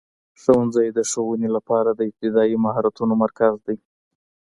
ښوونځی د ښوونې لپاره د ابتدایي مهارتونو مرکز دی.